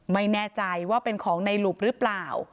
ไม่แน่ใจว่าเป็นของในหลุบหรือเปล่า